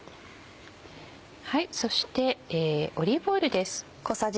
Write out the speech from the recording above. そしてオリーブオイルです。